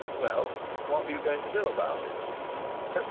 "Well, what are you going to do about it?"